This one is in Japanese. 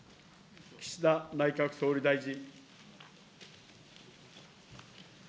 岸田内閣総理大臣。